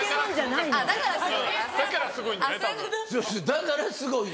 だからすごい？